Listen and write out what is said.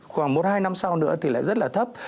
khoảng một hai năm sau nữa thì lại rất là thấp